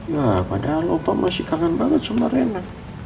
ya padahal opa masih kangen banget sumber rena